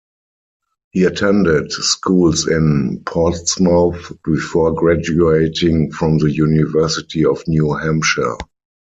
He attended schools in Portsmouth before graduating from the University of New Hampshire.